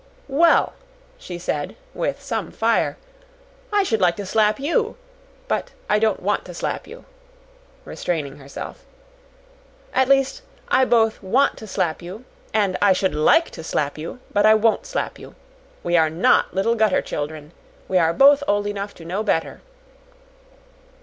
"Well," she said, with some fire, "I should like to slap YOU but I don't want to slap you!" restraining herself. "At least I both want to slap you and I should LIKE to slap you but I WON'T slap you. We are not little gutter children. We are both old enough to know better."